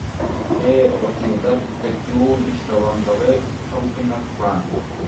সে অতি উদার ব্যক্তি ও নিষ্ঠাবান, তবে সঙ্কীর্ণপ্রাণ।